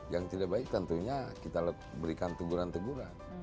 yang tidak baik tentunya kita berikan teguran teguran